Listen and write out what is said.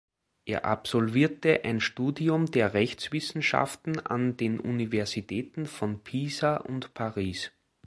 Er absolvierte ein Studium der Rechtswissenschaften an den Universitäten von Pisa und Paris.